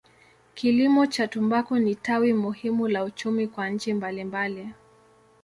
Kilimo cha tumbaku ni tawi muhimu la uchumi kwa nchi mbalimbali.